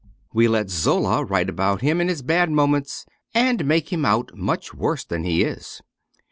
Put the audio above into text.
We let Zola write about him in his bad moments, and make him out much worse than he is.